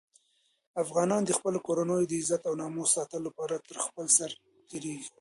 افغانان د خپلو کورنیو د عزت او ناموس ساتلو لپاره تر خپل سر تېرېږي.